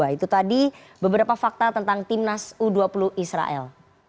itu tadi beberapa fakta tentang timnas u dua puluh israel